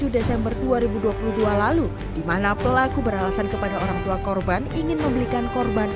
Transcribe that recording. tujuh desember dua ribu dua puluh dua lalu dimana pelaku beralasan kepada orang tua korban ingin membelikan korban